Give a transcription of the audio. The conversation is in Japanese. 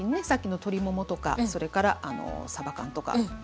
さっきの鶏ももとかそれからさば缶とか。